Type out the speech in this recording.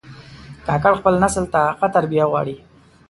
کاکړ خپل نسل ته ښه تربیه غواړي.